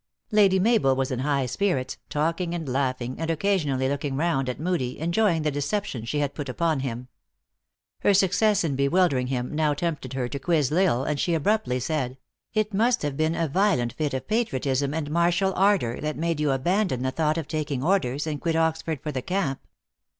Lady Mabel was in high spirits, talking and laugh ing, and occasionally looking round at Moodie, en joying the deception she had put upon him. Her success in bewildering him, now tempted her to quiz L Isle, and she abruptly said :" It must have been a 248 THE ACTRESS IN HIGH LIFE. m violent fit of patriotism and martial ardor that made you abandon the thought of taking orders, and quit Oxford for the camp."